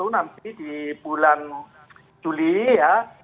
nanti di bulan juli ya